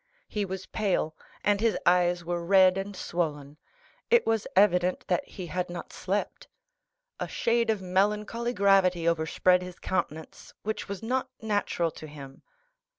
He was pale, and his eyes were red and swollen; it was evident that he had not slept. A shade of melancholy gravity overspread his countenance, which was not natural to him.